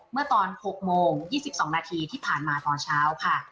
เมื่อตอน๖โมง๒๒นาทีที่ผ่านมาตอนเช้าค่ะ